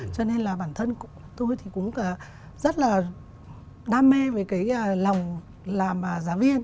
cho nên là bản thân tôi thì cũng rất là đam mê với cái lòng làm giáo viên